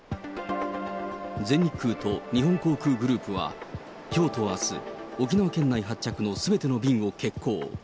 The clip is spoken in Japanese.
全日空と日本航空グループは、きょうとあす、沖縄県内発着のすべての便を欠航。